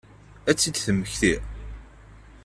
Ad tt-id-temmekti?